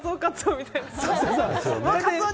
みたいな。